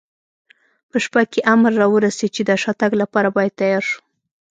په شپه کې امر را ورسېد، چې د شاتګ لپاره باید تیار شو.